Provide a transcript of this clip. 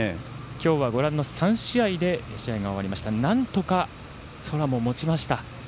今日はご覧の３試合で試合が終わりましたがなんとか空も持ちました。